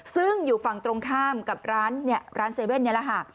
ซึ่งอยู่ฝั่งตรงข้ามกับร้าน๗๑๑นี่แหละค่ะ